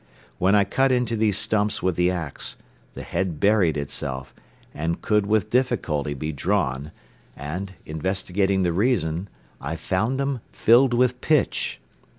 When I cut into these stumps with the ax, the head buried itself and could with difficulty be drawn and, investigating the reason, I found them filled with pitch.